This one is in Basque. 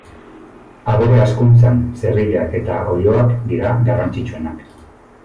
Abere-hazkuntzan, zerriak eta oiloak dira garrantzitsuenak.